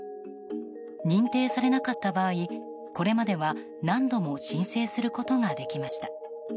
認定されなかった場合これまでは何度も申請することができました。